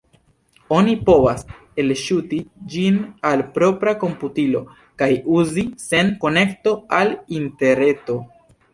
Oni povas elŝuti ĝin al propra komputilo kaj uzi sen konekto al Interreto.